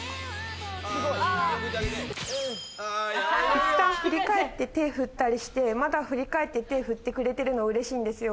いったん振り返って、手を振って、また振り返って、手を振ってくれるのは嬉しいんですよ。